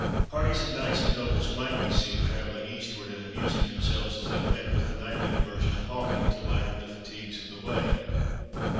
" Parties of knights and nobles might be seen travelling eastward, and amusing themselves as they went with the knightly diversion of hawking, to lighten the fatigues of the way.